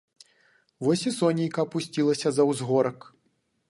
Вось і сонейка апусцілася за ўзгорак.